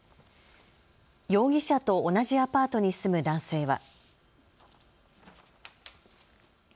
容疑者と同じアパートに住む男性は。